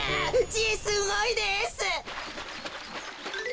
じいすごいです！